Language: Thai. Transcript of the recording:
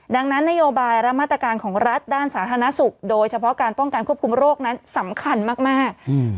ดังนั้นนโยบายและมาตรการของรัฐด้านสาธารณสุขโดยเฉพาะการป้องกันควบคุมโรคนั้นสำคัญมาก